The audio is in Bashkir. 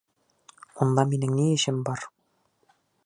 Унда минең ни эшем бар?